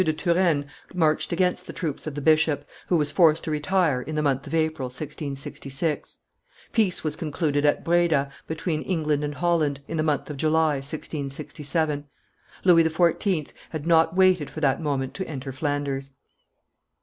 de Turenne marched against the troops of the bishop, who was forced to retire, in the month of April, 1666. Peace was concluded at Breda, between England and Holland, in the month of July, 1667. Louis XIV. had not waited for that moment to enter Flanders.